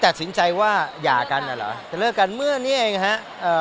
ตัดสินใจว่าหย่ากันอ่ะเหรอจะเลิกกันเมื่อนี้เองฮะเอ่อ